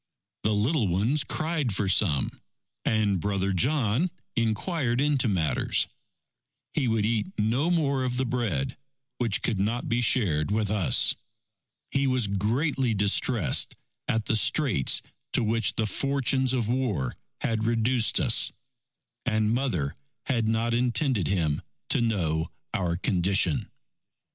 The little ones cried for some, and Brother John inquired into matters. He would eat no more of the bread, which could not be shared with us. He was greatly distressed at the straits to which the fortunes of war had reduced us. And Mother had not intended him to know our condition.